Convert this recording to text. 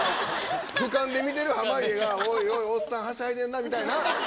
ふかんで見てる濱家が「おいおいおっさんはしゃいでんな」みたいな感じ。